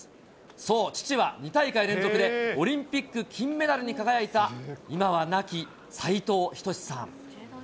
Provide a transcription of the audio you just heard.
そう、父は２大会連続でオリンピック金メダルに輝いた今はなき斉藤仁さん。